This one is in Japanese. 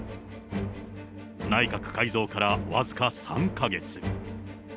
内閣改造から僅か３か月。